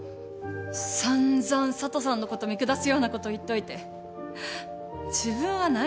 散々佐都さんのこと見下すようなこと言っといて自分は何？